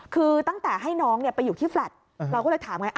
คือตั้งแต่ให้น้องไปอยู่ที่แฟลต์เราก็เลยถามไง